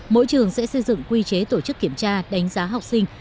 mỗi trường sẽ xây dựng quy chế tổ chức kiểm tra đánh giá học sinh